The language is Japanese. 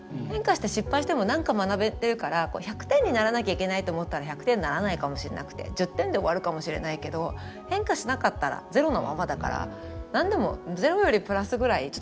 変化して失敗しても何か学べてるから１００点にならなきゃいけないと思ったら１００点にならないかもしれなくて１０点で終わるかもしれないけど変化しなかったらゼロのままだから何でもゼロよりプラスぐらい。